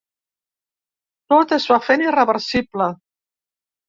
Tot es va fent irreversible.